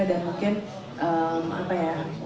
dan mungkin apa ya